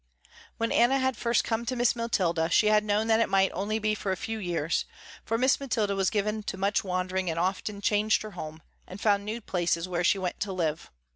When Anna had first come to Miss Mathilda she had known that it might only be for a few years, for Miss Mathilda was given to much wandering and often changed her home, and found new places where she went to live.